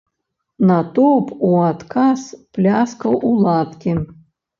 Натоўп у адказ пляскаў у ладкі.